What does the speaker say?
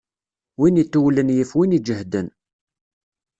Win itewlen yif win iǧehden.